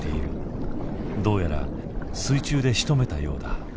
どうやら水中でしとめたようだ。